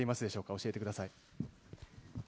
教えてください。